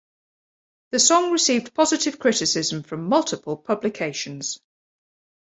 The song received positive criticism from multiple publications.